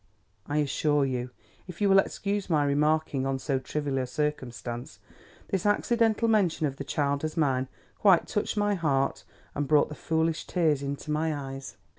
I assure you, if you will excuse my remarking on so trivial a circumstance, this accidental mention of the child as mine, quite touched my heart and brought the foolish tears into my eyes.